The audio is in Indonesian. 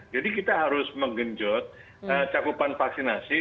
jadi kita harus menggenjot cakupan vaksinasi